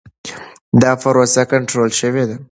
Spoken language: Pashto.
دا پروسه کنټرول شوې ده.